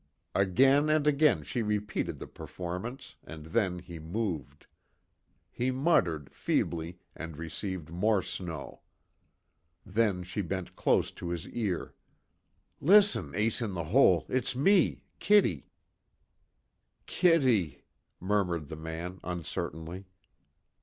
Again and again she repeated the performance, and then he moved. He muttered, feebly, and received more snow. Then she bent close to his ear: "Listen, Ace In The Hole it's me Kitty!" "Kitty," murmured the man, uncertainly.